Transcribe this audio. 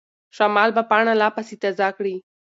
شمال به پاڼه لا پسې تازه کړي.